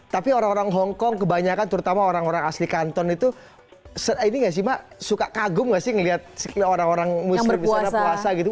tapi orang orang hongkong kebanyakan terutama orang orang asli kanton itu ini gak sih mak suka kagum gak sih ngeliat orang orang muslim di sana puasa gitu